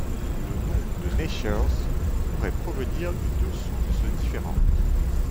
Le nom de Neschers pourrait provenir de deux sources différentes.